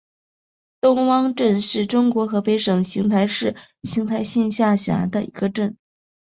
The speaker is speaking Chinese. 东汪镇是中国河北省邢台市邢台县下辖的一个镇。